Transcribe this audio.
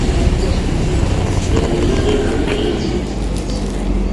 Hwéwòló hwé mòlêlì.